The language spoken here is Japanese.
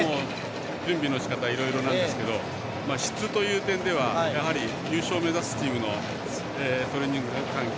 準備のしかたいろいろなんですけど質という意味では優勝目指すチームのトレーニング環境